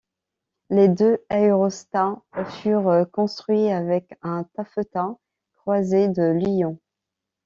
Les deux aérostats furent construits avec un taffetas croisé de Lyon.